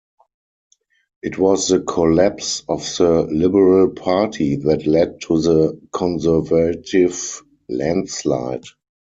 It was the collapse of the Liberal Party that led to the Conservative landslide.